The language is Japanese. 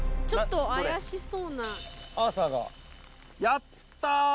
やった！